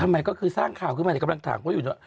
ทำไมก็คือสร้างข่าวขึ้นมาเนี่ยกำลังถามเขาอยู่ด้วย